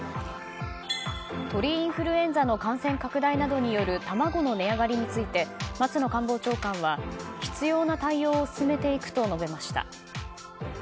鳥インフルエンザの感染拡大などによる卵の値上がりについて松野官房長官は必要な対応を進めていくと述べました。